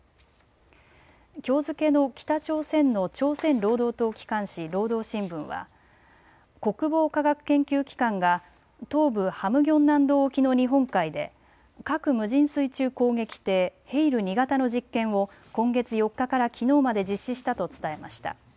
きょう付けの北朝鮮の朝鮮労働党機関紙、労働新聞は国防科学研究機関が東部ハムギョン南道沖の日本海で核無人水中攻撃艇ヘイル２型の実験を今月４日からきのうまで実施したと伝えました。